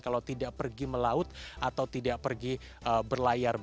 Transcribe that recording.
kalau tidak pergi melaut atau tidak pergi berlayar